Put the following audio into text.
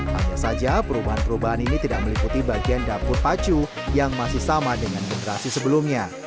hanya saja perubahan perubahan ini tidak meliputi bagian dapur pacu yang masih sama dengan generasi sebelumnya